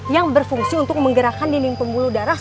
yang berfungsi untuk menggerakkan dinding pembuluh darah